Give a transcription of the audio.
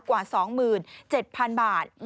กว่า๒๗๐๐๐บาท